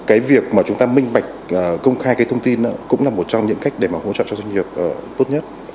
cái việc mà chúng ta minh bạch công khai cái thông tin cũng là một trong những cách để mà hỗ trợ cho doanh nghiệp tốt nhất